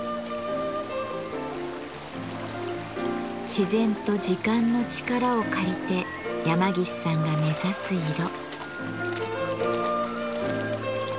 自然と時間の力を借りて山岸さんが目指す色。